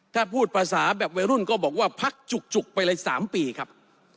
ถ้าพูดภาษาแบบวัยรุ่นก็บอกว่าพักจุกไปเลย๓ปีครับ